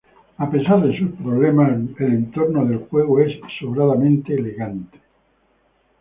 A pesar de sus problemas, el entorno del juego es sobradamente elegante.